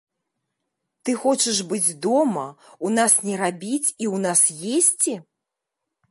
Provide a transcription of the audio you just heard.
Ты хочаш быць дома, у нас не рабіць і ў нас есці?